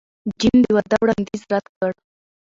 جین د واده وړاندیز رد کړ.